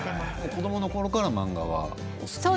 子どものころから漫画はお好きで？